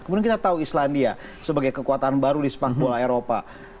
kemudian kita tahu islandia sebagai kekuatan baru di sepak bola eropa